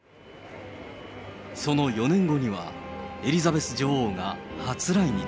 その４年後には、エリザベス女王が初来日。